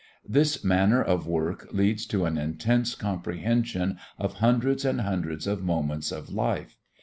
This manner of work leads to an intense comprehension of hundreds and hundreds of moments of life.